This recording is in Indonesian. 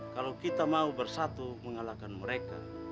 kalau kita mau bersatu mengalahkan mereka